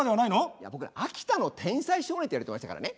いや僕ね秋田の天才少年っていわれてましたからね。